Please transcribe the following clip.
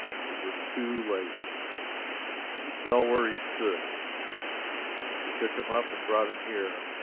It was too late. He fell where he stood. They took him up and brought him here.